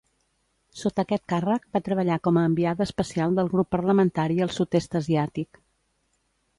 Sota aquest càrrec, va treballar com a enviada especial del grup parlamentari al sud-est asiàtic.